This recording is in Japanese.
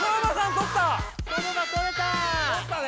とったね！